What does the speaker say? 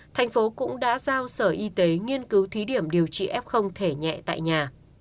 thành phố cũng đã giao sở y tế nghiên cứu thí điểm điều trị f thể nhẹ tại nhà